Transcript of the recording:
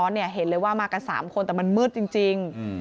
เห็นเลยว่ามากัน๓คนแต่มันมืดจริง